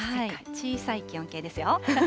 小さい気温計ですよ。